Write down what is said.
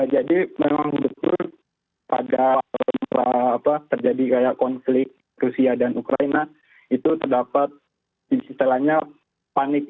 jadi memang betul pada terjadi konflik rusia dan ukraina itu terdapat diselanya panik